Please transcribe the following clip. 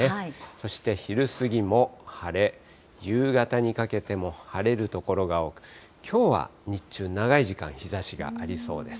そして昼過ぎも晴れ、夕方にかけても晴れる所が多く、きょうは日中、長い時間日ざしがありそうです。